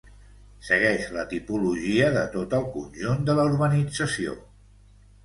Segueix la tipologia de tot el conjunt de la urbanització.